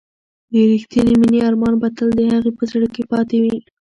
د ریښتینې مینې ارمان به تل د هغې په زړه کې پاتې وي.